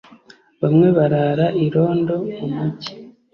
bamwe barara irondo mu mugi;